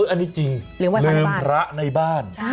อันนี้จริงลืมพระในบ้าน